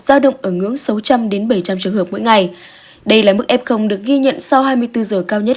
giao động ở ngưỡng sáu trăm linh bảy trăm linh trường hợp mỗi ngày đây là mức f được ghi nhận sau hai mươi bốn giờ cao nhất